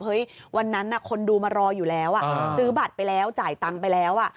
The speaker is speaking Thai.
วันนั้นคนดูมารออยู่แล้วซื้อบัตรไปแล้วจ่ายตังค์ไปแล้ว